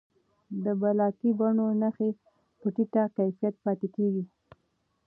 د بلاکي بڼو نښې په ټیټه کیفیت پاتې کېږي.